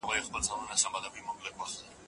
په شمله کې د څېړنې لپاره اسانتیاوې سته.